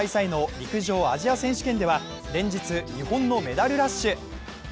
陸上アジア選手権では連日、日本のメダルラッシュ。